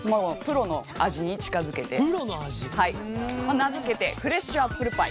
名付けてフレッシュアップルパイ。